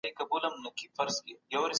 تخنیکي پوهه د هر مسلک لپاره لازمه ده.